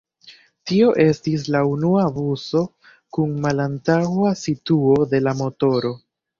Tio estis la unua buso kun malantaŭa situo de la motoro.